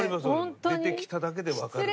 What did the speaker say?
出てきただけでわかる。